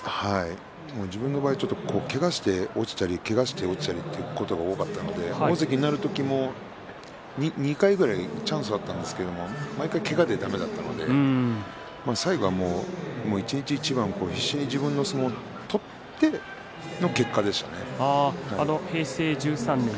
自分の場合、けがをして落ちたりというのが多かったので大関になる時も２回くらいチャンスはあったんですけども毎回けがでだめだったので最後は一日一番必死に自分の相撲を取っての結果でしたね。